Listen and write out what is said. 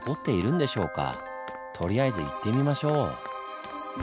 とりあえず行ってみましょう！